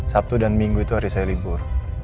sabtu dan minggu itu hari saya libur